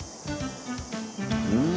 うん。